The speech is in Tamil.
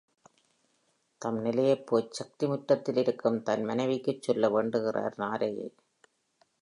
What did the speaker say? தம் நிலையைப் போய்ச் சக்திமுற்றத்தில் இருக்கும் தம் மனைவிக்குச் சொல்ல வேண்டுகிறார் நாரையை.